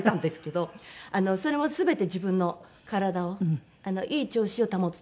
それも全て自分の体をいい調子を保つために。